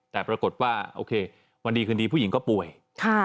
แต่ปรากฏว่าโอเควันดีคืนดีผู้หญิงก็ป่วยค่ะ